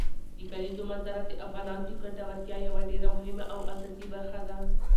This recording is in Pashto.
د کلیزو منظره د افغانانو د ګټورتیا یوه ډېره مهمه او اساسي برخه ده.